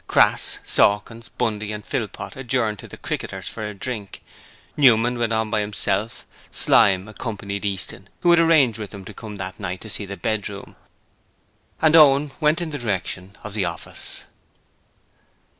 Crass, Sawkins, Bundy and Philpot adjourned to the 'Cricketers' for a drink, Newman went on by himself, Slyme accompanied Easton who had arranged with him to come that night to see the bedroom, and Owen went in the direction of the office.